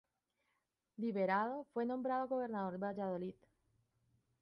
Liberado, fue nombrado gobernador de Valladolid.